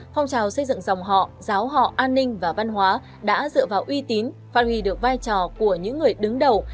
phong trào xây dựng dòng họ giáo họ an ninh và văn hóa đã dựa vào uy tín phát huy được vai trò của những người đứng đầu